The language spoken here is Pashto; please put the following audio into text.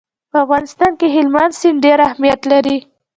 په افغانستان کې هلمند سیند ډېر اهمیت لري.